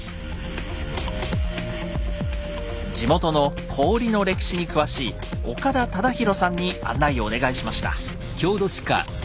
地元の氷の歴史に詳しい岡田忠弘さんに案内をお願いしました。